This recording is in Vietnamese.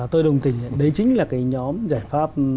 tôi đồng tình đấy chính là cái nhóm giải pháp